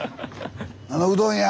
あのうどん屋！